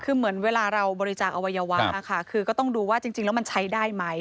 คือเหมือนเวลาเราบริจาคอวัยวะค่ะคือก็ต้องดูว่าจริงแล้วมันใช้ได้ไหม